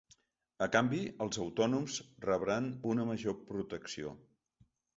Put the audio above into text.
A canvi, els autònoms rebran una major protecció.